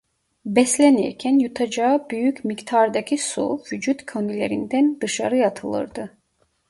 Beslenirken yutacağı büyük miktardaki su vücut konilerinden dışarı atılırdı.